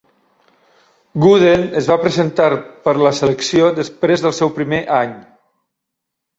Gooden es va presentar per la selecció després del seu primer any.